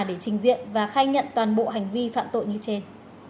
để trình diện và khai nhận toàn bộ hành vi phạm tội như trên